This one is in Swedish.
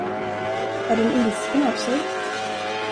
Är den ilsken av sig?